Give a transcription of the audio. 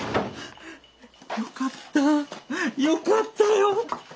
よかったよかったよ！